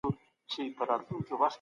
هر بدلون په اقتصاد کي وخت نیسي.